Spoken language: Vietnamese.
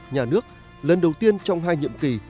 nhà nước lần đầu tiên trong hai nhiệm kỳ